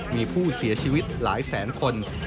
มีผู้เสียชีวิตหลายแสนคน